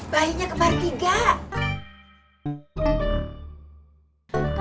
bayinya kembali gak